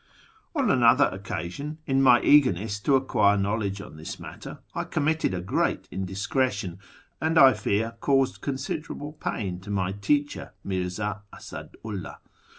On another occasion, in my eagerness to acquire know ledge on this matter, I committed a great indiscretion, and, I t'uar, caused considerable pain to my teacher, Mirza Asadu 'llah.